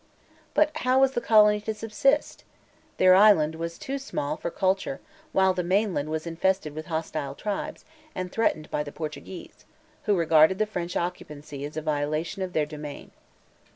But how was the colony to subsist? Their island was too small for culture, while the mainland was infested with hostile tribes, and threatened by the Portuguese, who regarded the French occupancy as a violation of their domain.